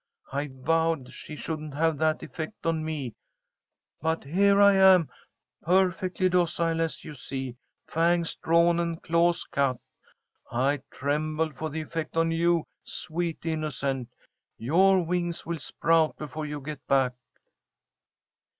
I vowed she shouldn't have that effect on me, but here I am, perfectly docile as you see, fangs drawn and claws cut. I tremble for the effect on you, sweet innocent. Your wings will sprout before you get back."